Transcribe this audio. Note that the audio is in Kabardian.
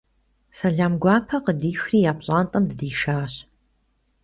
Сэлам гуапэ къыдихри я пщӏантӏэм дыдишащ.